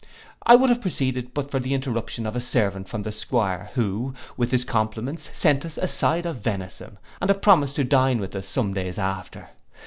'—I would have proceeded, but for the interruption of a servant from the 'Squire, who, with his compliments, sent us a side of venison, and a promise to dine with us some days after.